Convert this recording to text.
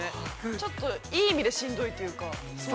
ちょっといい意味でしんどいというか。